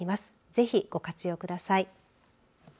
ぜひご活用ください。